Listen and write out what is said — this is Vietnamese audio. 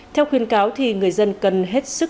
theo khuyên cáo thì người dân cần hết sức